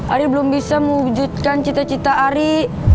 ari belum bisa mewujudkan cita cita ari